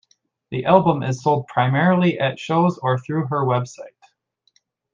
The album is sold primarily at shows or through her website.